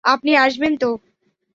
আপনি আসবেন তো?